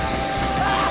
あっ！